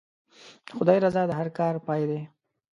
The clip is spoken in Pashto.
د خدای رضا د هر کار پای دی.